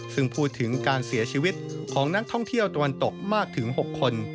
ซึ่งพูดถึงการเสียชีวิตของนักท่องเที่ยวตะวันตกมากถึง๖คน